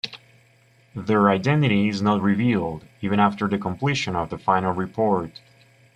Their identity is not revealed, even after the completion of the final report.